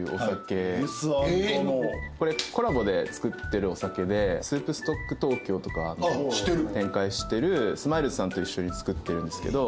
これコラボで造ってるお酒でＳｏｕｐＳｔｏｃｋＴｏｋｙｏとかを展開してるスマイルズさんと一緒に造ってるんですけど。